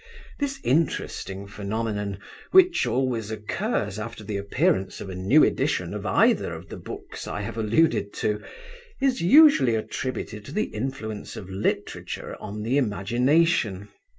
This interesting phenomenon, which always occurs after the appearance of a new edition of either of the books I have alluded to, is usually attributed to the influence of literature on the imagination.